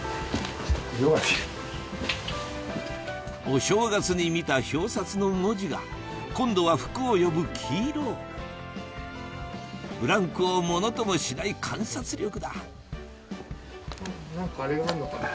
お正月に見た表札の文字が今度は福を呼ぶ黄色ブランクをものともしない観察力だ何かあれがあるのかな。